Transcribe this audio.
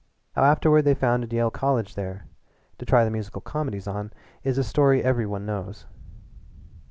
How afterward they founded Yale College there, to try the musical comedies on, is a story every one knows.